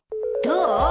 どう？